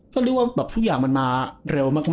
ก็เรียกว่าแบบทุกอย่างมันมาเร็วมาก